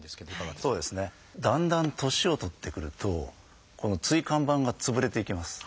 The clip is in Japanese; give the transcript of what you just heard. だんだん年を取ってくるとこの椎間板が潰れていきます。